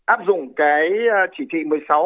áp dụng cái chỉ thị một mươi sáu